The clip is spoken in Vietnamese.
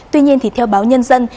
tuy nhiên thì theo báo nhân dân